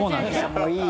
もういい！